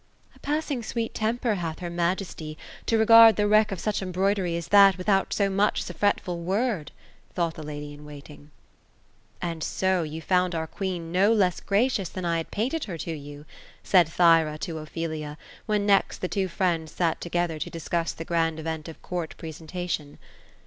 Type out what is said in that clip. ^ A passing sweet temper hath her majesty, to regard the wreck oi such embroidery as that, without so much as a fretful word ;" thought the lady in waiting. ^ And so, you found our queen no less gracious than I had painted her to you ;" said Thyra to Ophelia, when next the two friends sat to gether, to discuss the grand event of court presentation.